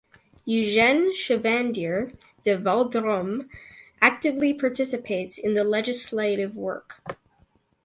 Eugène Chevandier de Valdrome actively participates in the legislative work.